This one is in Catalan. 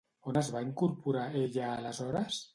On es va incorporar ella aleshores?